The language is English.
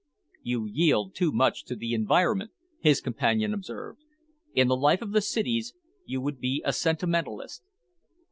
"You yield too much to environment," his companion observed. "In the life of the cities you would be a sentimentalist."